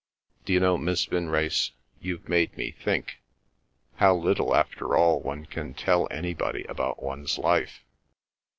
... D'you know, Miss Vinrace, you've made me think? How little, after all, one can tell anybody about one's life!